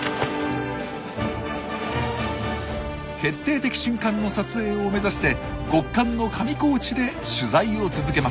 決定的瞬間の撮影を目指して極寒の上高地で取材を続けます。